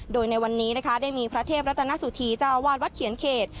โดยในวันนี้นะคะได้มีพระเทพรัตนสุธีเจ้าอาวาสวัดเขียนเขต